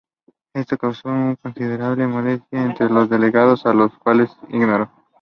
Esto causó una considerable molestia entre los delegados, a los cuales ignoró.